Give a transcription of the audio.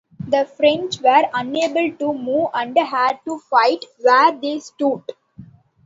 The French were unable to move and had to fight "where they stood".